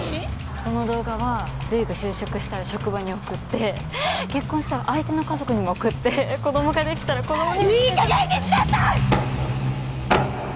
この動画は瑠衣が就職したら職場に送って結婚したら相手の家族にも送って子供ができたら子供にも。いい加減にしなさい！